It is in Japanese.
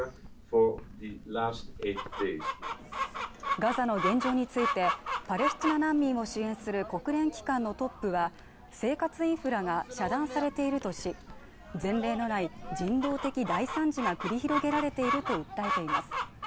ガザの現状についてパレスチナ難民を支援する国連機関のトップは生活インフラが遮断されているとし前例のない人道的大惨事が繰り広げられていると訴えています